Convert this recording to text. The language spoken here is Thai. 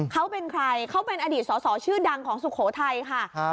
เขาเป็นใครเขาเป็นอดีตสอสอชื่อดังของสุโขทัยค่ะ